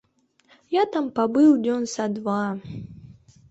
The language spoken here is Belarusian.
Я там пабыў дзён са два.